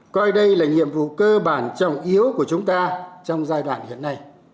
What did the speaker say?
coi đây là nhiệm vụ cơ bản trọng yếu của chúng ta trong giai đoạn hiện nay